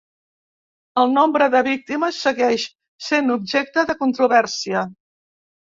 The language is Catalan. El nombre de víctimes segueix sent objecte de controvèrsia.